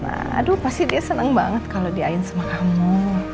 aduh pasti dia senang banget kalau diain sama kamu